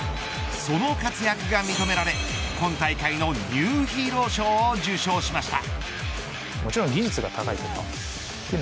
その活躍が認められ今大会のニューヒーロー賞を受賞しました。